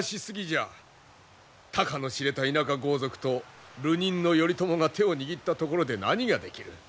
たかの知れた田舎豪族と流人の頼朝が手を握ったところで何ができる。